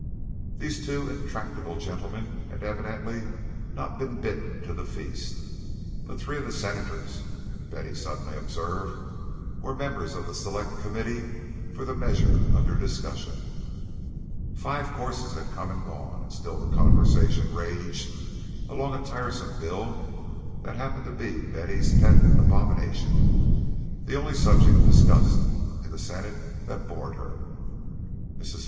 These two intractable gentlemen had evidently not been bidden to the feast; but three of the Senators, Betty suddenly observed, were members of the Select Committee for the measure under discussion. Five courses had come and gone, and still the conversation raged along a tiresome bill that happened to be Betty's pet abomination, the only subject discussed in the Senate that bored her. Mrs.